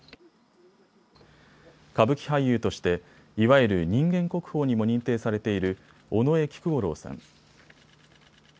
歌舞伎俳優として、いわゆる人間国宝にも認定されている尾上菊五郎さん。